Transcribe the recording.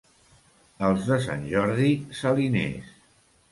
Els de Sant Jordi, saliners.